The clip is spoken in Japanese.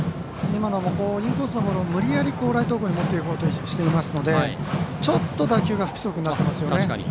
今のも、インコースのボールを無理やりライト方向に持っていこうとしていますのでちょっと打球が不規則になってますね。